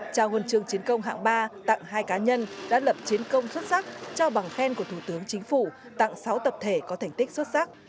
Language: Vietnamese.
trao hồn trường chiến công hạng ba tặng hai cá nhân đã lập chiến công xuất sắc trao bằng khen của thủ tướng chính phủ tặng sáu tập thể có thành tích xuất sắc